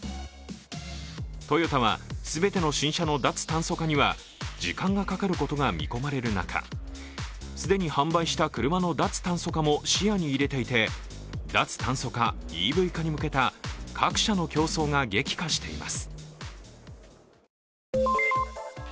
トヨタは全ての新車の脱炭素化には時間がかかることが見込まれる中、既に販売した車の脱炭素化も視野に入れていて脱炭素化・ＥＶ化に向けた各社の競争が激化しています。